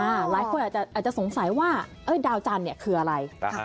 หลายคนอาจจะสงสัยว่าดาวจันทร์คืออะไร